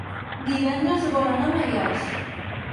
Divendres vol anar a Maials.